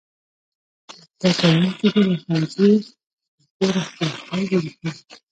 زده کوونکي دې له ښوونځي تر کوره خپل حال ولیکي.